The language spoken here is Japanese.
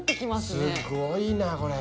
すごいなこれ。